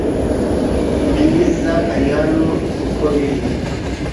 Bwiza ari hano uko biri